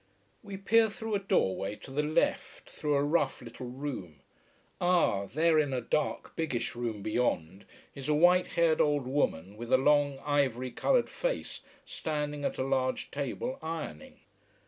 We peer through a doorway to the left through a rough little room: ah, there in a dark, biggish room beyond is a white haired old woman with a long, ivory coloured face standing at a large table ironing.